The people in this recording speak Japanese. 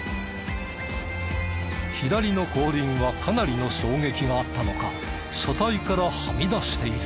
左の後輪はかなりの衝撃があったのか車体からはみ出している。